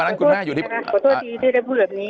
ขอโทษทีขอโทษทีที่ได้พูดแบบนี้